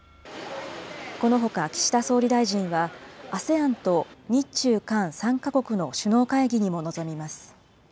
このほか、岸田総理大臣は、ＡＳＥＡＮと日中韓３か国の首脳会議にも臨みます。